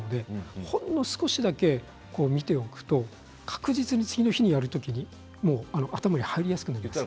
ほんの少しだけ見ておくと確実に、次の日にやるときに頭に入りやすくなります。